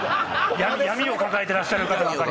闇を抱えてらっしゃる方ばかり。